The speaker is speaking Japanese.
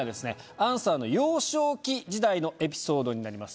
杏さんの幼少期時代のエピソードになります